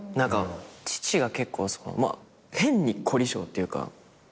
父が結構変に凝り性っていうか。